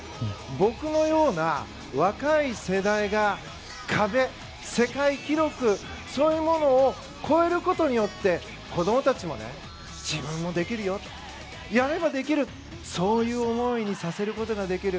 僕のような若い世代が壁、世界記録そういうものを超えることによって子供たちも自分もできるよ、やればできるそういう思いにさせることができる。